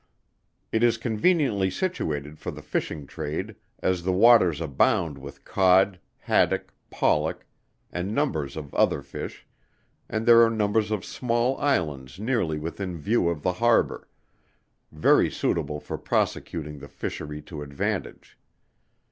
It is conveniently situated for the fishing trade, as the waters abound with cod, haddock, pollock, and numbers of other fish, and there are numbers of small Islands nearly within view of the harbor, very suitable for prosecuting the fishery to advantage.